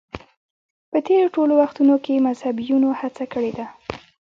په تېرو ټولو وختونو کې مذهبیونو هڅه کړې ده